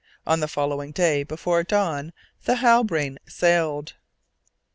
On the following day, before dawn, the Halbrane sailed.